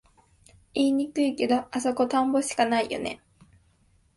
言いにくいけど、あそこ田んぼしかないよね